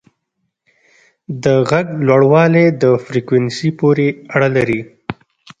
د غږ لوړوالی د فریکونسي پورې اړه لري.